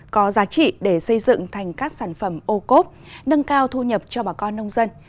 có giá trị để xây dựng thành các sản phẩm ô cốt nâng cao thu nhập cho bà con nông dân